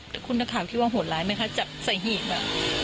แต่คุณนักข่าวคิดว่าโหดร้ายไหมคะจับใส่หีบอ่ะ